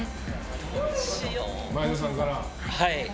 前田さんから。